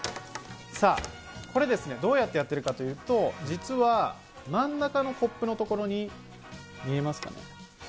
さあ、これですね、どうやってやってるかというと、実は真ん中のコップのところに、見えますか？